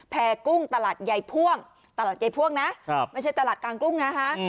กุ้งตลาดยายพ่วงตลาดยายพ่วงนะไม่ใช่ตลาดกลางกุ้งนะคะ